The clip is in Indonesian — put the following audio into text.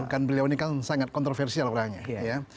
kan beliau ini kan sangat kontroversial orangnya ya